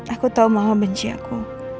aku tau mama benci aku